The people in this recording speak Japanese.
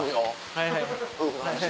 はいはい。